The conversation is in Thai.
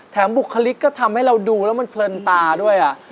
บุคลิกก็ทำให้เราดูแล้วมันเพลินตาด้วย